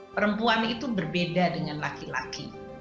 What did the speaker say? perempuan itu berbeda dengan laki laki